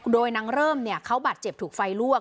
โดยนางเริ่มเขาบาดเจ็บถูกไฟลวก